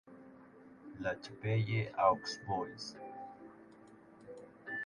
La Chapelle-aux-Bois